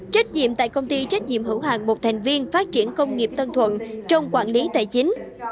trách nhiệm tại công ty trách nhiệm hữu hàng một thành viên phát triển công nghiệp tân thuận trong quản lý tài chính